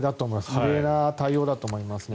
異例な対応だと思いますね。